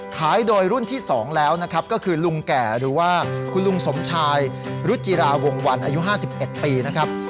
ขายโดยรุ่นที่๒แล้วนะครับก็คือลุงแก่หรือว่าคุณลุงสมชายรุจิราวงวันอายุ๕๑ปีนะครับ